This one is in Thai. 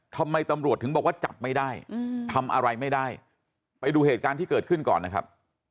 ทำไมตำรวจถึงบอกว่าจับไม่ได้ทำอะไรไม่ได้ไปดูเหตุการณ์ที่เกิดขึ้นก่อนนะครับ